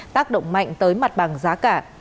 tác động mạnh tới mặt bằng giá cả